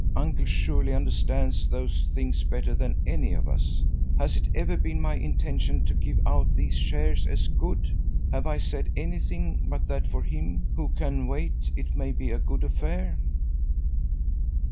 Uncle surely understands those things better than any of us. Has it ever been my intention to give out these shares as good? Have I said anything but that for him who can wait it may be a good affair?"